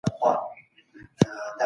د مرګ کاڼي اوروي